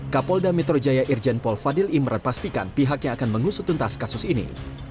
kapolda metro jaya irjen paul fadil imran pastikan pihaknya akan mengusutuntas kasus ini